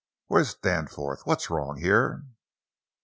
Where's Danforth? What's wrong here?"